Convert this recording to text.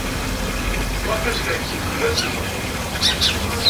Maɣef ay skerksent fell-asent?